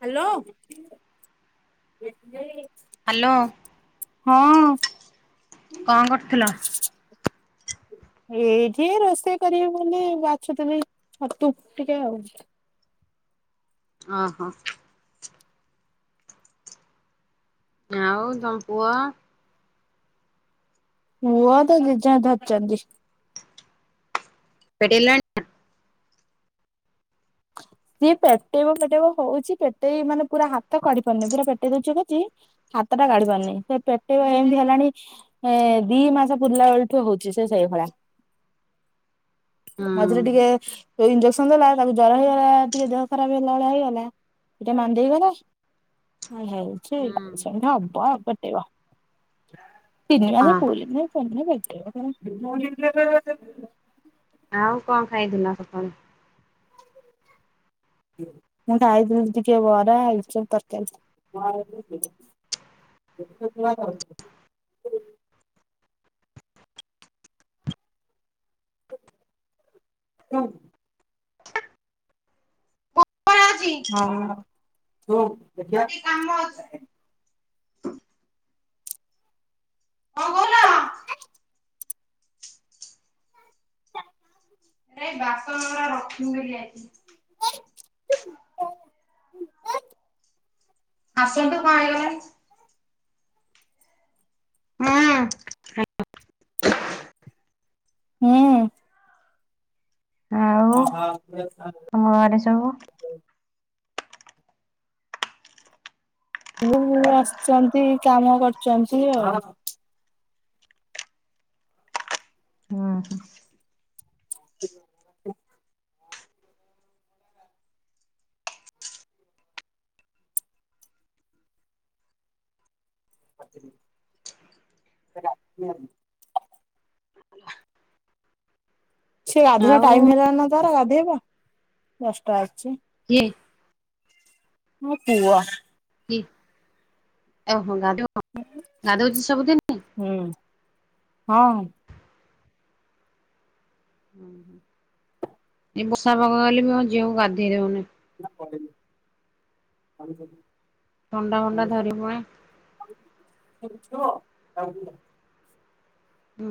Hello. Hello, କଁ କରୁଥୁଲ? ଏଇଠି ରୋଷେଇ କରିବି ବୋଲି ବାଛୁଥୁଲି ଛତୁ ଟିକେ ଆଉ। ଅ ହ। ଆଉ ତମ ପୁଅ? ପୁଅ ତା ଜେଜେମା ଧରିଚନ୍ତି। ପେଟେଇଲାଣି ଆଁ? ସିଏ ପେଟେଇବ ପେଟେଇବ ହୋଉଚି ପେଟେଇ ମାନେ ପୁରା ହାତ କାଢ଼ି ପାରୁନେଇ ପୁରା ପେଟେଇ ଦୋଉଚି କରଚି ହାତଟା କାଢ଼ି ପାରୁନେଇ ସେ ପେଟେଇ ଏମତି ହେଲାଣି ଏ ଦି ମାସ ପୁରିଲା ଅଳଠୁ ହୋଉଚି ସେ ସେଇଭଳିଆ। ହୁଁ ମଝିରେ ଟିକେ ଏ ଇଞ୍ଜକ୍ସନ ଦେଲା ତାକୁ ଜର ହେଇଗଲା ଟିକେ ଦେହ ଖରାପ ହେଲା ଭଳିଆ ହେଇଗଲା ଏଟା ମାନ୍ଦେଇ ଗଲା। ଆଁ ଧାଉଁଚି ହୁଁ ସେମିତି ହବ ଆପ ଟେଇବ। ତିନି ମାସେ ପୁରିନେଇ ପୁରନେ ପେ ଟେଇବ ତାର [unintelligible] ଆଉ କଁ ଖାଇଥିଲା ସଖାଳୁ? ମୁଁ ଖାଇଥିଲି ଟିକେ ବରା ଆଳୁଚପ ତରକାରୀ। କେତେ କିଣା ଖାଉଚୁ। ହୁଁ। କାମ ଅଛି ହଁ। ତବୋଉ ଦେଖିଆ। କଣ କଁ କହୁ ରେ ବାସନ ଉରା ରଖିଦେଇକି ଯାଇଚି। ଆସନ୍ତୁ କଣ ହେଇଗଲା କି? ହୁଁ। ହୁଁ। ଆଉ ତମ ଘରେ ସବୁ? ଉ ଆସଚନ୍ତି କାମ କରୁଚନ୍ତି ଆଉ। ଉଁ ହୁଁ। [inaudible] [inaudible] ସିଏ ଗାଧେୟା ଆଉ ଟାଇମ ହେଲାଣି ନାଁ ପହର ଗାଧେଇବ ଦଶଟା ଆଜିଚି। କିଏ? ମୋ ପୁଅ। କିଏ ଓଃ। ହଁ ଗାଧେଇଅ ଗାଧୋଉଚି ସବୁଦିନି? ହୁଁ ହଁ। ଅଁ ହଁ ଏଇ ବର୍ଷା ପାଗ ହେଲେ ବି ମୋ ଝିଅକୁ ଗାଧେଇ ଦୋଉନି। [unintelligible] ଥଣ୍ଡା ମଣ୍ଡା ଧରିବ ଏଁ ଯିବ [unintelligible]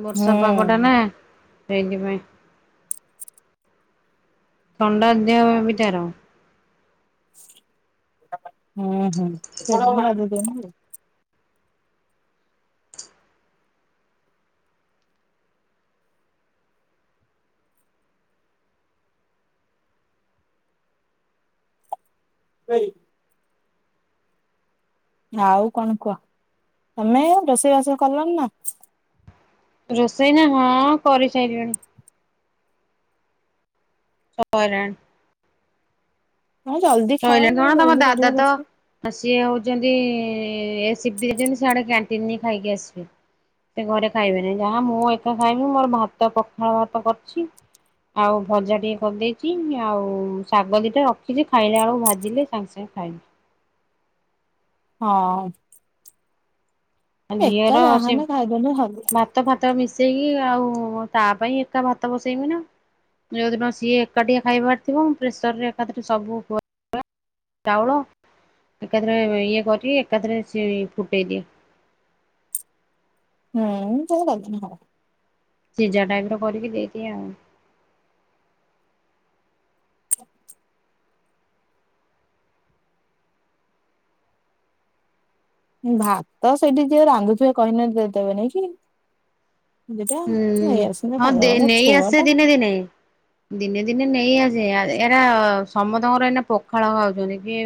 ବର୍ଷା ପାଗ ଟା ନା ସେଇଥିପାଇଁ ଥଣ୍ଡା ଦେହବି ତାର ହୁଁ ହୁଁ ସେ ବାଇ ଆଉ କଣ କୁହ ତମେ ରୋଷେଇବାସ କଲଣି ନା। ରୋଷେଇ ନା ହଁ କରି ସାରିଲଣି। ସରଣ ହଁ ଜଲ୍ଦି ଖାଅ କହିଲ ଆଉ କଣ ତମ ଜଲ୍ଦି କରିବ ଦାଦା ତ ରୋଷେଇ ସିଏ ହଉଛି ଦେଇ ସେଆଡେ କ୍ୟାଣ୍ଟିନ ଖାଇକି ଆସିବେ ସେ ଘରେ ଖାଇବେନି ଯାହା ମୁଁ ଏକା ଖାଇବି ମୋର ଭାତ ପଖାଳ ଭାତ କରିଛି ଆଉ ଭଜା ଟିକେ କରିଦେଇଛି ଆଉ ଶାଗ ଦିଟା ରଖିଛି। ଖାଇଲେ ବେଳକୁ ଭାଜିଲେ ସାଙ୍ଗେ ସାଙ୍ଗେ ଖାଇଲେ। ହଁ। ଏକା ଜିର ଅ ସେ ଯାହାହେଲେ ଖାଇଦେଲେ ହବ। ଭାତ ଫାତ ମିଶ ବସେଇକି ଆଉ ତା ପାଇଁ ଏକା ଭାତ ବସେଇମି ନା ଯୋଉଦିନ ସିଏ ଏକା ଟିକି ଖାଇବାର ଥିବ ମୁ ପ୍ରେସର ରେ ଏକାରେ ସବୁୁ ଚାଉଳ ଏକଥରେ ଏକ ହରି ଏକାଥରେ ସେ ପୁଟେଇଦିଏ। ହୁଁ କେ ସିଜା ଟାଇପ ର କରିକି ଦେଇଦି ଆଉ। [inaudible] ଭାତ ସେଠି ଯିଏ ରାନ୍ଧୁଥିବେ କହିନେ ଦେଇଦେବେ ନାଇ କି। ଦିଟା ହୁଁ ନେଇ ଆସିଲେ ହଁ ଖାଇଦବ ନେଇ ଛୁଆ ଆସେ ଟା ଦିନେ ଦିନ ଦିନେ ଦିନେ ନେଇ ଆସ ଏରା ସମସ୍ତଙ୍କର ଏଇନା ପଖାଳ ଖାଉଛନ୍ତି କି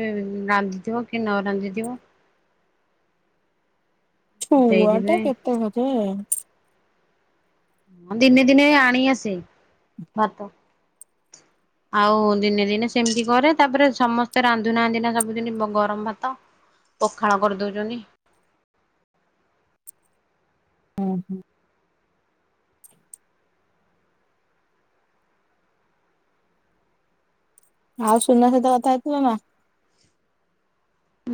ରାନ୍ଧିଥିବ କି ନ ରାନ୍ଧିଥିବ। ଛୁଆ ଟା ସେଇଥିପାଇଁ କେତେ ଖଜ ହ ଦିନେ ଦିନ ଆଣ ଆସେ ଭାତ। ଆଉ ଦିନେ ଦିନେ ସେମିତି କରେ ତାପରେ ସମସ୍ତେ ରାନ୍ଧୁନା ଆନ୍ଧିନା ସବୁଦିନ ଗରମ ଭାତ ପଖାଳ କରିଦଉଛନ୍ତି। ହୁଁ ହୁଁ। [inaudible] ଆଉ ସୁନା ସହିତ କଥା ହେଥିଲା ନା।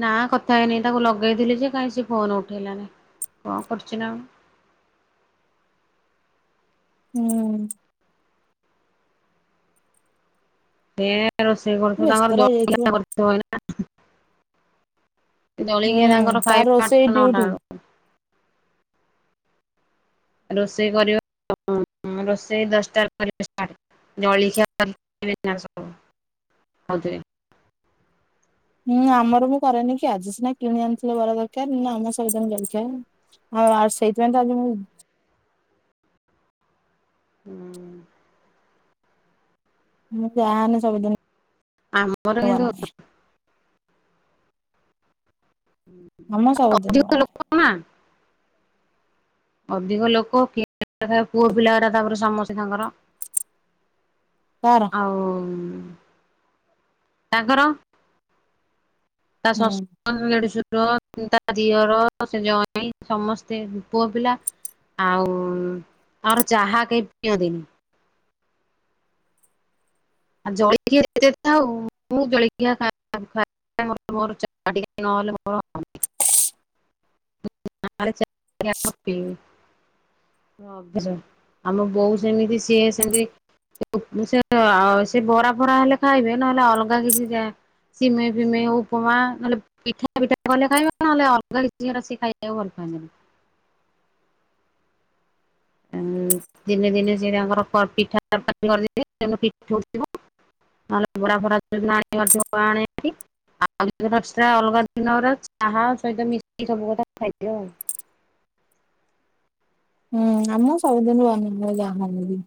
ନା କଥା ହେଇନି ତାକୁ ଲଗେଇଥିଲି ଯେ କାଇହିଁ ସେ ଫୋନ ଉଠେଇଲାନି କଣ କରୁଛି ନା। ହୁଁ। [inaudible] ର ସେ ବ୍ୟସ୍ତ କରଛମର ଜ ରହିଯାଇଥିବ। କରଛନା। [inaudible] ହୁଁ ଜଳଖିଆ ତାଙ୍କର ତାର ଖାଇବେ ରୋଷେଇ ଆଠଟା ଡ୍ୟୁଟି। ନଟା ବେଳକୁ। ରୋଷେଇ କର ରୋଷେଇ ଦଶଟ ଜଳଖିଆଉଥ ହୁଁ ଆମର ମୁଁ କରେନି କି ଆଜି ସିନା କିଣି ଆଣିଥିଲେ ବଲ ଦରକାର ଆମ ସହି ଆ ସେଇଥିପାଇଁ ତ ଆଜି ମୁଁ ହୁଁ। ମୁଁ ଯାାନେ ସବୁଦିନ ଆମର କିନ୍ତୁ ବନାଏ ଆମ ସବୁଦିନ ବନାଏ ଲୋକ ଅଧିକ ଲୋକ କି ଖ ପୁଅ ପିଲା ତାପରେ ସମସ୍ତେ ତାଙ୍କର। କାର ଆଉ ତାଙ୍କର ତା ଶ ହୁଁ ନ୍ ତା ଝିଅର ସେ ଜଣ ସମସ୍ତେ ପୁଅ ପିଲା ଆଉ ଆମର ଚାହା କେହି ପିଅନ୍ତିନି। ଜଳି ଖିଆ ଯେତେ ଥାଉ ମୁଁ ଜଳିଖିଆ ଖାଇ ବି ମାନେ ମୋର ଚାହା ଟିକେ ନ ହେଲେ ହବନି ଅଭ୍ୟାସ, ଆମ ବୋଉ ସେମିତି ସିଏ ସେମିତି। ସେ ବରା ଫରା ହେଲେ ଖାଇବେ ନହେଲେ ଅଲଗା କିଛି ସିମେ ଫିମେ ଉପମା ନହେଲେ ପିଠା ପିଠା କଲେ ଖାଇବେ ନହେଲେ ଅଲଗା କିଛି କଲେ ସେ ଖାଇବାକୁ ଭଲ ପାଆନ୍ତିନୀ। ଦିନେ ଦିନେ ସେ ତାଙ୍କର ପିଠା ତର କରିଦ ନହେଲେ ଫ ଆଉ ଅଲଗା ଦିନ ଚାହା ସହିତ ମିଶ ସବୁ କଥା ଖାଇଦ ଆଉ । ହୁଁ ଆମ ସବୁଦିନ ବନେ ଯାହା ହେଲେ ବି ।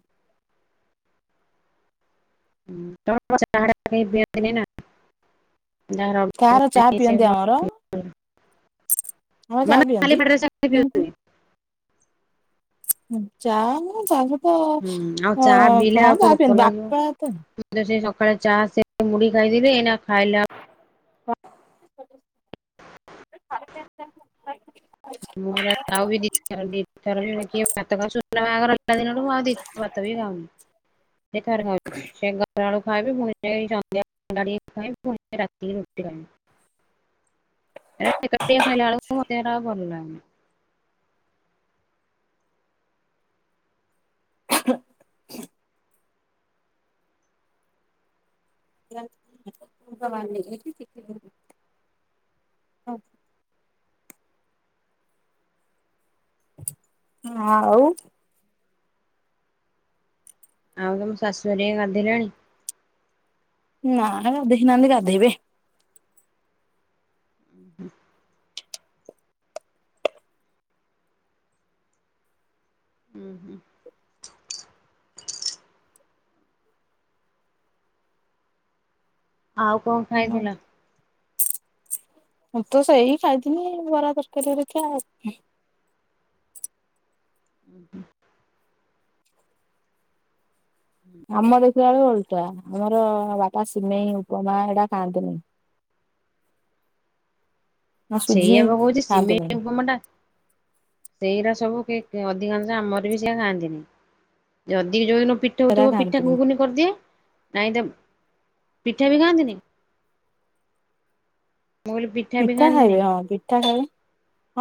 କାହାର ଚା [unintelligible] ପିଅନ୍ତି ଆମର ଆମର ଚା ପିଅନ୍ତି। [inaudible] ଯାହା ହେଲେ ବି ଚାହା ହୁଁ ଆଉ ଚାହା ପିଲେ ଆଉ କୋଉ ଭୋକ ପିଅନ୍ତି ବାପା ତ ଲାଗିବ ସେ? ସକାଳେ ଚା ସେ ମୁଡ଼ି ଖାଇଦେବି, ଏଇନା ଖାଇଲା। [unintelligible] [unintelligible] [unintelligible] [unintelligible] ହୁଁ [inaudible] [unintelligible] [inaudible] ହ ଆଉ, ଆଉ ତମ ଶାଶୁ ହେରୀକା ଗାଧେଇଲେଣୀ? ନା ଗାଧେଇ ନାହାନ୍ତି ଗାଧେଇବେ। [unintelligible] ହୁଁ ହୁଁ ଆଉ କଣ ଖାଇଥିଲ? ହ ତ ସେଇ ଖାଇଥିଲି ବରା ତରକାରୀ ହେରିକା। ହଁ ଆମ ଦେଖିଲା ବେଳକୁ ଓଲ ଆମର ବାପା ସିମେଇ ଉପମା ଏଟା ଖାଆନ୍ତିନି। ନା ସୁଜି ସେଇଆବା କହୁଛି ଖାଆନ୍ତିନି ସିମେଇ ଉପମା ଟା ସେଇରା ସବୁ। ଅଧିକାଂଶ ଆମର ବି ସେଏ ଖାଆନ୍ତିନି ଯଦି ଯୋଉଦିନ। ପିଠା ସେରା ହଉଥିବ ପିଠା ଖାଆନ୍ତିନି ଘୁଗୁନି କରିଦିଏ ନାଇଁ। ପିଠା ବି ଖାଆନ୍ତିିନି। ପିଠା ଖାଇବେ ହଁ ପିଠା ଖାଇବେ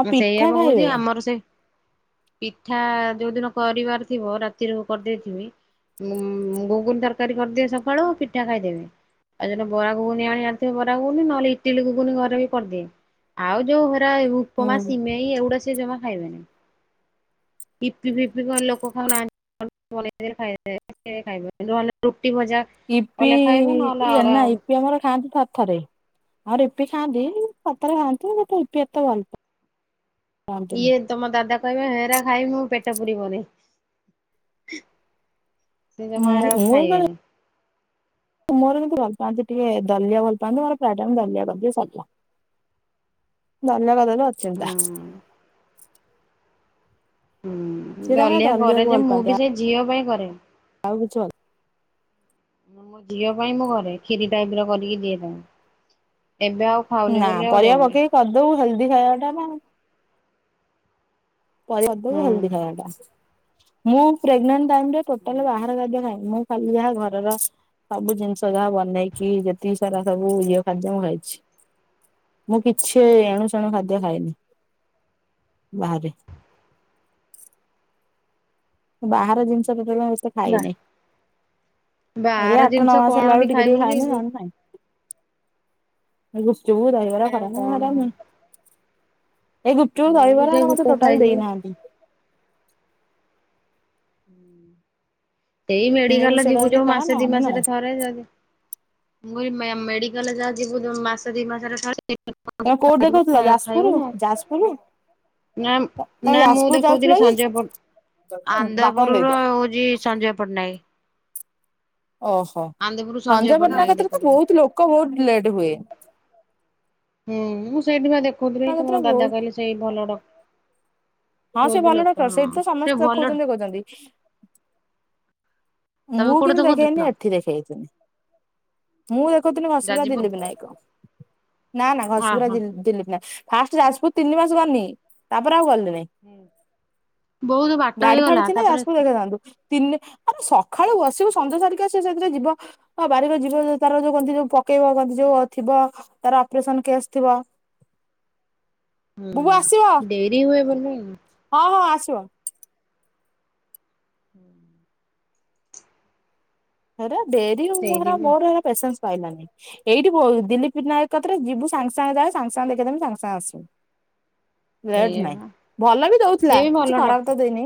ହଁ ମୁଁ ସେଇଆ ପିଠା ବା କହୁଛି ଖାଇବେ। ଆମର ସେ ପିଠା ଯୋଉ ଦିନ କରିବାର ଥିବ ରାତିରୁ କରିଦେଇଥିବି ଘୁଗୁନ ତରକାରୀ କରିଦେବୀ ସକାଳୁ ପିଠା ଖାଇଦେବେ, ଆଉ ଯୋଉ ଦିନ ବରା ଘୁଗୁନି ଆଣି ବାର୍ ଥିବ ବରା ଘୁଗୁନି ନହେଲେ ଇ ଟିଲି କୁ ପୁଣି ଘରେ ବି କରିଦିଏ ଆଉ ଯୋଉ। ଉପମା ହୁଁ। ସିମଇ ଏଗୁଡ଼ା ସବୁ। ସେ ଜମା ଖାଇବେନି, ୟିପି ଫିପି କଣ ଲୋକ ଖାଉ ନାହାନ୍ତି, [unintelligible] ଇପି ଇଏ ନା ଅଲଗା ଇପି ଆମର ଖାଆନ୍ତି ଥରେ ଥରେ। ଆଉ ୟୀପି ଖାଆନ୍ତି ସତରେ ଖାଆନ୍ତି ହେଲେ ୟୀପି ଏତେ ଭଲ ପାନ୍ତିନି। ଇଏ ତମ ଦାଦା। କହିବା ହେରା ଖାଇବିନି ମୋ ପେଟ ପୁରିବନି। ସେ ଜମା ମୁଁ ଏରା ମୁଁ କିନ୍ତୁ ଖାଇବେନି। ମୋର କିନ୍ତୁ ଭଲ ପାଆନ୍ତି ଟିକେ ଦଲିଆ ଭଲ ପାଆନ୍ତି ମୋର ପ୍ରାୟ ଟାଇମ ଟିକେ ଦଲଆ କରିଦିଏ ସରିଲା ଦଲିଆ କରିଦେଲେ। ମୁଁ ହୁଁ ଅଚିନ୍ତା। ହୁଁ ସିଏ ତାଙ୍କର ଦଲିଆ କରେ ଦଲିଆକୁ ଯେ ଭଲ ମୁଁ ପାଆନ୍ତି ବି ସେଇ ଝିଅ ପାଇଁ କରେ। [unintelligible] ଆଉ କିଛି। ମୋ ଝିଅ ପାଇଁ ମୁଁ କରେ କ୍ଷୀରି ଟାଇପର କରିକି ଦିଏ ତାକୁ। ଏବେ ଆଉ ଖାଉନି ନା ବୋଲି ଆଉ ପରିବା ଦଉନି। ପକେଇକି କରିଦଉ ହେଇଯାଏ। [unintelligible] ଖାଇବା କଥା ନା ଆଉ। [unintelligible] ଭଲ ହୁଁ ଦେଖାଯାଆନ୍ତା ମୁଁ ପ୍ରେଗନାଣ୍ଟ। ଟାଇମରେ ଟୋଟାଲ ବାହାର ଖାଦ୍ୟ ଖାଇନି ମୁଁ ଖାଲି ଯା ଘରର ସବୁ ଜିନିଷ ଯାହା ବନେଇକି ଯେତିକି ସାରା ସବୁ ଇଏ ଖାଦ୍ୟ ମୁଁ ଖାଇଛି ମୁଁ କିଛି ଏଣୁ ସେଣୁ ଖାଦ୍ୟ ଖାଏନି। ବାହାରେ। ବାହାର ଜିନିଷ ପତ୍ର ମୁ ଏତେ ଖାଇ ବା ନାଇଁ ଏଇ ବାହାର ଆଠ ଜିନିଷ ନଅ ମାସ କଣ ହେଲା ବି ବେଳୁ ଟିକେ ଖାଇବୁ ଟିକେ କି ଖାଇନି ନ ହେଲେ ନାଇଁ। ଯୋଉ ଗୁପଚୁପ୍ ଦହିବରା ବାହାରେ ଆଉ କଣ ସେଗୁଡା ଖାଉ ନାଇଁ। ଏଇ ଗୁପଚୁପ୍ ମୁଁ ବି ଦହିବରା ସେଇ ମୋତେ କୋଉ ଟୋଟାଲ ଖାଇଛି ଦେଇନାହାନ୍ତି। [inaudible] ସେଇ ନେବୁ ମେଡିକାଲେ ସେଇଟା ଯିବୁ ଯଦି ଯଉ ଖା ମାସେ ଦି ନହେଲେ ନାଇଁ ମାସରେ ଥରେ ଯଦି ମୁଁ ଏଇ ମୁ ମେଡିକାଲ ଯାହା ଯିବୁ ମାସ ଦି ମାସରେ ଥରେ। ତମେ କୋଉଠି ଦେଖାଉଥିଲ ଖାଇବୁ ଯାଜପୁର ନା ଯାଜପୁରୁୁ। ନା ନା ମୁଁ ଦେଖଉଥିଲି ସଞ୍ଜୟ ପଟ୍ଟନାୟକ ବାପାଙ୍କୁ ଆନନ୍ଦପୁରର ଦେଇଦିଅ ହଉଛି ସଞ୍ଜୟ ପଟ୍ଟନାୟକ। [inaudible] ଓହୋ ସଞ୍ଜୟ ପଟ୍ଟନାୟକ କତିରେ ତ ବହୁତ ଲୋକ ବହୁତ ଲେଟ ହୁଏ। ହୁଁ ମୁଁ ସେଇଠି ପା ଦେଖଉ କହୁଥିଲି ତୁମ ପଟ୍ଟନାୟକରେ ଦାଦା ବହୁତ କହିଲେ ସେ ଭଲ ଡକ୍ଟର। ହଁ ସେ ଭଲ ଡକ୍ଟର ହଁ ସେଇଠି ତ ସେ ସମସ୍ତେ ଭଲ ଦେଖାଉଛନ୍ତି କହୁଛନ୍ତି। ତମେ ମୁଁ କୋଉଠୁ କିନ୍ତୁ ଦେଖେଇନି ଦେଖଉଥିଲ ଏଠି ଦେଖେଇ ଥିଲି ମୁଁ ଦେଖଉଥିଲି ଘଷିପୁରା ଯାଜପୁର ଦିଲ୍ଲୀପ ନାୟକ। ନା ନା ଘସିପୁରା ଓହୋ। ଦିଲ୍ଲୀପ ନାୟକ, ଫାଷ୍ଟ ଯାଜପୁର ତିନି ମାସ ଗନି ତାପରେ ଆଉ ଗଲି ନି। ବହୁତ ବାଟ ଗାଡି ଫାଡି ହେଇଗଲା ଥିଲେ ତାପରେ ଯାଜପୁର ଦେଖାଇ ଥାଆନ୍ତୁ। ତିନ ଆ ସ ସଖାଳୁ ବସିବୁ ସଞ୍ଜ ସାରିକି ଆସିବୁ ସେଇଥିରେ ଯିବ ବାରିରେ ଯିବ ତାର ଯୋଉ ଙ୍କନ୍ତି ଯୋଉ ପକେଇବ ଯୋଉ ଥିବ ତାର ଅପରେସନ କେସ୍ ଥିବ। ବୁବୁ ଆସିବ ହୁଁ ଡେରି ହୁଏ ବୋଲି ହଁ ହଁ ଆସିବ। ହୁଁ। ହରେ ଡେରି ମୋ ସେଇଥିପାଇଁ ମୋର ହେରା ପେସେନ୍ସ ପାଇଲାନି ଏଇଠି ବ ଦିଲ୍ଲୀପ୍ ନାୟକ କଥାରେ ଯିବୁ ସାଙ୍ଗେ ସାଙ୍ଗେ ଯା ସାଙ୍ଗେ ସାଙ୍ଗେ ଦେଖିଦେମୁ ସାଙ୍ଗ ସାଙ୍ଗେ ଆସିବୁ। ଲେଟ ସେଇଆ ନାଇଁ ବା ଭଲ ବି ଦଉଥିଲା ସିଏ ବି କିଛି ଭଲ ଖରାପ ଡକ୍ଟର ତ ଦେଇନି।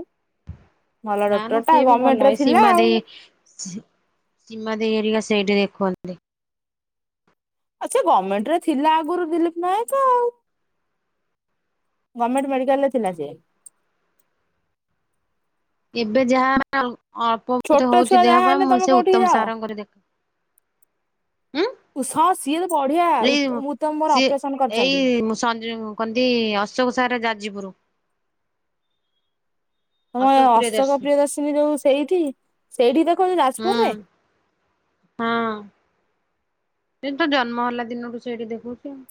ଭଲ ନା ଡକ୍ଟର ନା ଟା ସେ ବି ଗମେଣ୍ଟ ଭଲ ରେ ଏ ଥିଲା ସିମା ଆଉ ଦେଇ ସିମା ଦେଇ ଏରିଆ ସେଇଟେ ଦେଖୁନ୍ତି। ଆଚ୍ଛା ଗମେଣ୍ଟ ଥିଲା ଆଗୁରୁ ଦିଲ୍ଲୀପ୍ ନାୟକ ଆଉ। ଗମେଣ୍ଟ ମେଡି ଗଲେ ଥିଲା ସିଏ। ଏବେ ଯାହା ଅଳ୍ପ ବହୁତ ଛୋଟ ହଉଛି ଛୁଆ ଦେହ ଯାହା ପା ହେଲେ ମୁଁ ତମେ ସେ କୋଉଠିକି ଉତ୍ତମ ଯାଅ। ସାରଙ୍କର ଦେଖ ଉଁ ଉଷ ସିଏ ତ ବଢିଆ ଉ ଏଇ ଉତ୍ତମ ମୋର ଅପରେସନ କରିଛନ୍ତି। ଯଉ କନ୍ତି ଅଶୋକ ସାରେ ଯାଜିପୁରୁ। ତମର ଅଶୋକ ପ୍ରିୟ ଦର୍ଶିନୀ ଯୋଉ ସେଇଠି ସେଇଠି ଦେଖଉଛ ହୁଁ ଯାଜପୁରରେ। ହଁ ସେ ତ ଜନ୍ମ ହେଲା ଦିନଠୁ ସେଇଠି ଦେଖଉଛି ଆଉ।